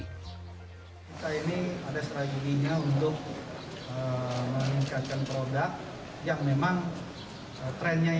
kita ini ada strateginya untuk meningkatkan produk yang memang trennya ini meningkat selama lima tahun terakhir